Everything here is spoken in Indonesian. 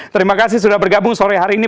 terima kasih sudah bergabung sore hari ini